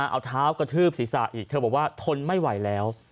เอาเท้ากระทืบศีรษะทนไม่ไหวแล้ว